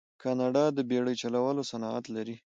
کاناډا د بیړۍ چلولو صنعت لري.